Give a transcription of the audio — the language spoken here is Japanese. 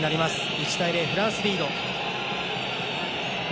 １対０、フランスがリード。